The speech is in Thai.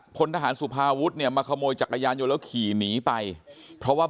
พลทหารสุภาวุฒิเนี่ยมาขโมยจักรยานยนต์แล้วขี่หนีไปเพราะว่า